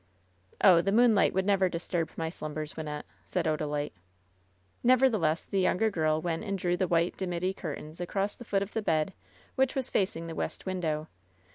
"Oh, the moonlight would never disturb my slumbers, Wynnette," said Odalite. Nevertheless, the younger girl went and. drew the white dimity curtains across the foot of the bed, which was facing the west window.